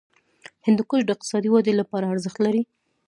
هندوکش د اقتصادي ودې لپاره ارزښت لري.